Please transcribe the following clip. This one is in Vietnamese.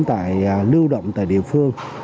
tại lưu động tại địa phương